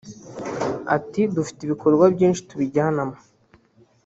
ati “Dufite ibikorwa byinshi tubijyanamo